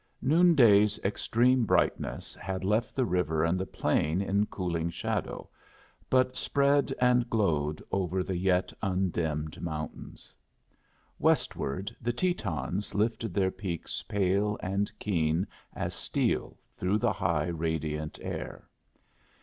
Noonday's extreme brightness had left the river and the plain in cooling shadow, but spread and glowed over the yet undimmed mountains. Westward, the Tetons lifted their peaks pale and keen as steel through the high, radiant air.